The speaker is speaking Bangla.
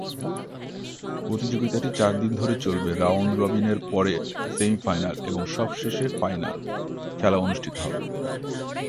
প্রতিযোগিতাটি চারদিন ধরে চলবে, রাউন্ড রবিন এর পরে সেমিফাইনাল এবং সব শেষে ফাইনাল খেলা অনুষ্ঠিত হবে।